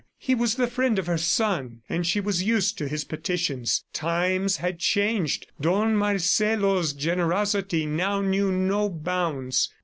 He was the friend of her son, and she was used to his petitions. Times had changed; Don Marcelo's generosity now knew no bounds